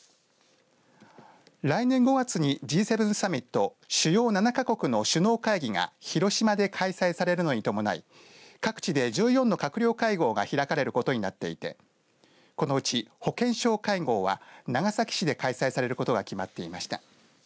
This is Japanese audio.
来年５月にＧ７サミット主要７か国の首脳会議が広島で開催されるのに伴い各地で１４の閣僚会合が開かれることになっていてこのうち、保健相会合は長崎市で開催されることが決まっていました。